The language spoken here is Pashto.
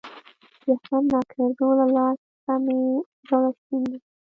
د احمد د ناکړدو له لاسه مې زړه شين دی.